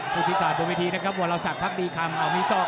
ผู้ชิดต่อตัววิธีนะครับวัวราวศักดิ์พักดีคำ